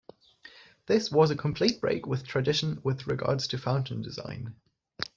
This was a complete break with tradition with regards to fountain design.